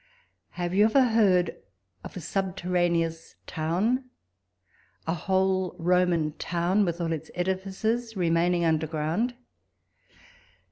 Have you ever heard of a subterraneous town ? a whole Roman town, with all its edifices, 22 walpole's letters. remaining under ground?